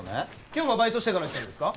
今日もバイトしてから来たんですか？